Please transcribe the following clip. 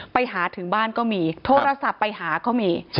ไปถึงบ้านก็มีโทรศัพท์ไปหาก็มี